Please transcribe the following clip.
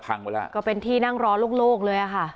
พังไปแล้วก็เป็นที่นั่งรอโลกเลยอะค่ะ